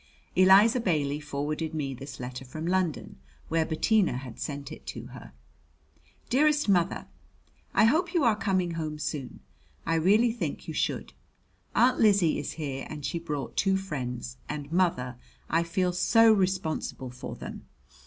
Eliza Bailey forwarded me this letter from London where Bettina had sent it to her: Dearest Mother: I hope you are coming home soon. I really think you should. Aunt Lizzie is here and she brought two friends, and, mother, I feel so responsible for them!